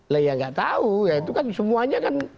lha ya nggak tahu itu kan semuanya kan